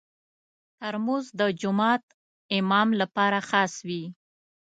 ترموز د جومات امام لپاره خاص وي.